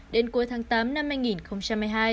đến cuối tháng tám năm hai nghìn hai mươi hai